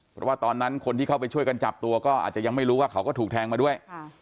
เพราะว่าตอนนั้นคนที่เข้าไปช่วยกันจับตัวก็อาจจะยังไม่รู้ว่าเขาก็ถูกแทงมาด้วย